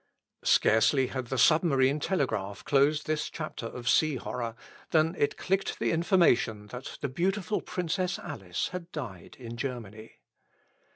Scarcely had the submarine telegraph closed this chapter of sea horror than it clicked the information that the beautiful Princess Alice had died in Germany.